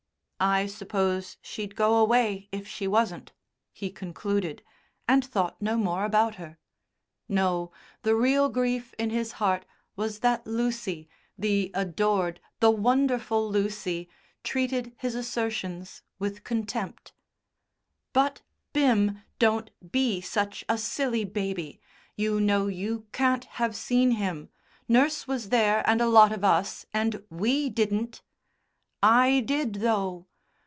"I suppose she'd go away if she wasn't," he concluded, and thought no more about her. No, the real grief in his heart was that Lucy, the adored, the wonderful Lucy, treated his assertions with contempt. "But, Bim, don't be such a silly baby. You know you can't have seen him. Nurse was there and a lot of us, and we didn't." "I did though."